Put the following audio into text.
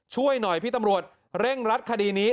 ช่วยหน่อยพี่ตำรวจเร่งรัดคดีนี้